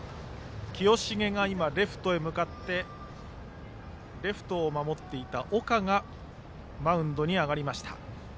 清重がレフトへ向かってレフトを守っていた岡がマウンドに上がりました。